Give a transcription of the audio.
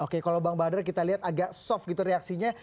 oke kalau bang badar kita lihat agak soft gitu reaksinya